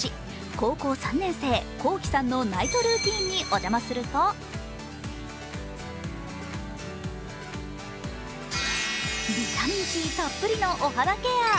高校３年生、こうきさんのナイトルーティーンにお邪魔するとビタミンＣたっぷりのお肌ケア。